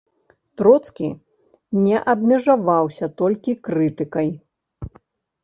Троцкі не абмежаваўся толькі крытыкай.